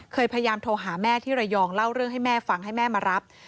พยายามโทรหาแม่ที่ระยองเล่าเรื่องให้แม่ฟังให้แม่มารับ